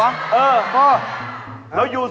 ราคาไม่แพง